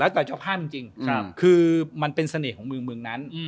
ต่อเจ้าภาพจริงคือมันเป็นเสน่ห์ของเมืองนั้น